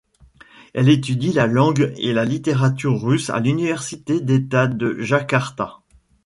Elle étudie la langue et la littérature russes à l'université d'État de Jakarta.